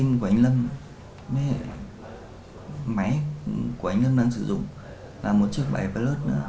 sim của anh lâm máy của anh lâm đang sử dụng là một chiếc bài vật lớn nữa